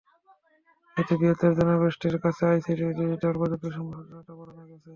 এতে বৃহত্তর জনগোষ্ঠীর কাছে আইসিটি অর্থাৎ ডিজিটাল প্রযুক্তি সম্পর্কে সচেতনতা বাড়ানো গেছে।